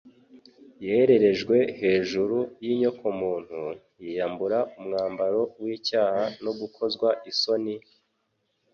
Yererejwe hejuru y’inyokomuntu, yiyambura umwambaro w’icyaha no gukozwa isoni,